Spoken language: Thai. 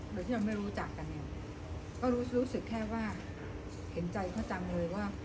โดยที่เราไม่รู้จักกันเนี่ยก็รู้สึกแค่ว่าเห็นใจเขาจังเลยว่า